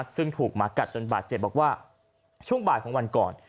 ซึ่งถูกหมากัดจนบาดเจ็บบอกว่าช่วงบ่ายของวันก่อน